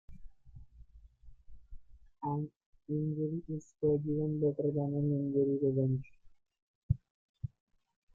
An injury is forgiven better than an injury revenged.